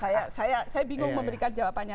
saya bingung memberikan jawabannya